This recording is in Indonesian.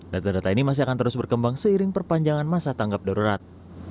data data ini masih akan terus berkembang seiring perpanjangan masa tanggap darurat